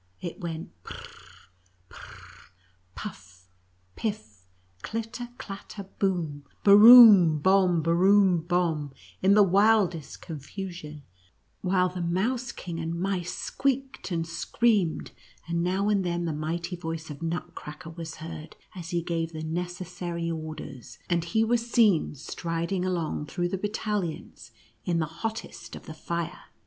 It went prr — prr — puff — piff — clitter — clatter — bom, burum — bom, burum — bom — in the wildest confusion, while the Mouse King and mice squeaked and screamed, and now and then the mighty voice of Nutcracker was heard, as he gave the neces sary orders, and he was seen striding along through the battalions in the hottest of the fire.